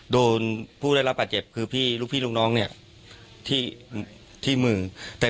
โดนผู้ได้รับบาดเจ็บคือลูกพี่ลูกน้องที่มือ